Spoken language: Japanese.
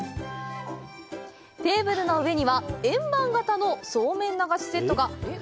テーブルの上には円盤型のそうめん流しセットが！